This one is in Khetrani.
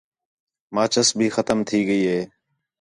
ماچس بھی ختم تھی ڳئی ہے